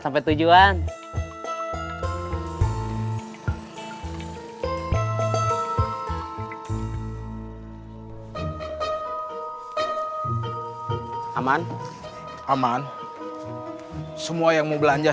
nih sama banyak